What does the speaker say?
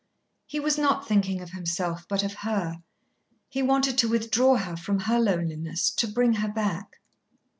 He was not thinking of himself but of her. He wanted to withdraw her from her loneliness, to bring her back.